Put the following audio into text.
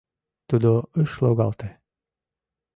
Тудо ыш логалте.